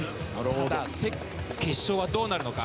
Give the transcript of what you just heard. ただ、決勝はどうなるのか。